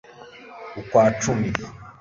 ukwa cumi